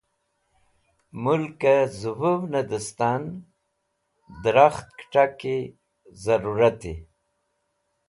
Mũlkẽ zẽvũvnẽ dẽstan drakht kẽ t̃akẽ zẽrũrat.